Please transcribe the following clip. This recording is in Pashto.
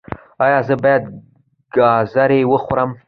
ایا زه باید ګازرې وخورم؟